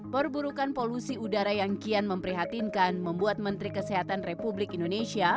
perburukan polusi udara yang kian memprihatinkan membuat menteri kesehatan republik indonesia